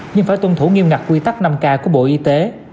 nhưng phải tuân thủ nghiêm ngặt quy tắc năm k của bộ y tế